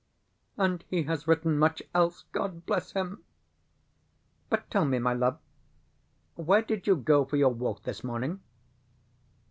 And he has written much else, God bless him! But tell me, my love where did you go for your walk this morning?